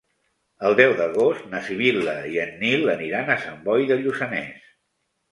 El deu d'agost na Sibil·la i en Nil aniran a Sant Boi de Lluçanès.